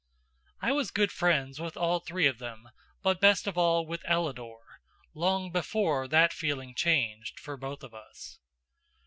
I was good friends with all three of them but best of all with Ellador, long before that feeling changed, for both of us.